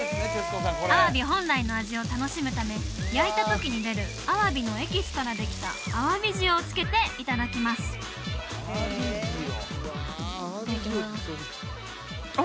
アワビ本来の味を楽しむため焼いた時に出るアワビのエキスからできたアワビ塩をつけていただきますいただきます